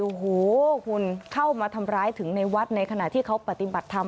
โอ้โหคุณเข้ามาทำร้ายถึงในวัดในขณะที่เขาปฏิบัติธรรม